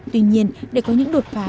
tuy nhiên để có những đột phá